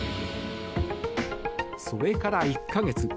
それから１か月。